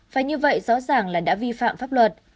và như vậy rõ ràng là đã vi phạm pháp luật